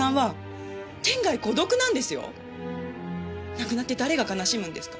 亡くなって誰が悲しむんですか？